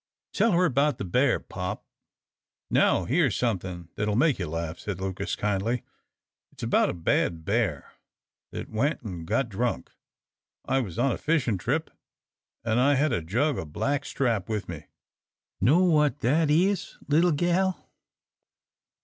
"Tell her 'bout the bear, pop." "Now here's somethin' that'll make you laugh," said Lucas, kindly. "It's about a bad bear that went an' got drunk. I was on a fishin' trip, an' I had a jug o' black strap with me. Know what that is, leetle gal?"